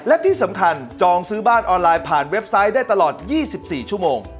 และที่สำคัญจองซื้อบ้านออนไลน์ผ่านเว็บไซต์ได้ตลอด๒๔ชั่วโมง